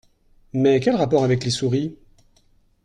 Mais quel rapport avec les souris?